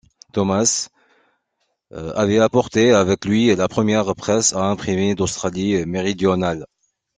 Thomas avait apporté avec lui la première presse à imprimer d'Australie-Méridionale.